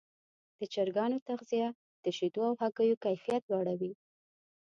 د چرګانو تغذیه د شیدو او هګیو کیفیت لوړوي.